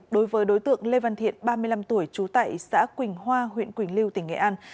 đối với đối tượng lê văn thiện ba mươi năm tuổi trú tại xã quỳnh hoa huyện quỳnh lưu tỉnh nghệ an